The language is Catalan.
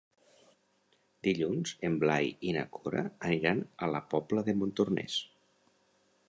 Dilluns en Blai i na Cora aniran a la Pobla de Montornès.